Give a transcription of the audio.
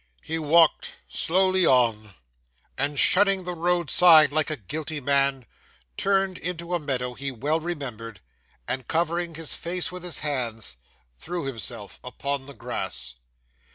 He walked slowly on; and shunning the roadside like a guilty man, turned into a meadow he well remembered; and covering his face with his hands, threw himself upon the grass.